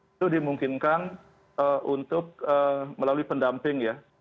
itu dimungkinkan untuk melalui pendamping ya